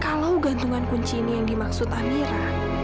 kalau gantungan kunci ini yang dimaksud amira